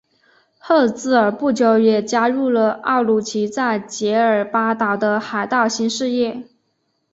赫兹尔不久也加入了奥鲁奇在杰尔巴岛的海盗新事业。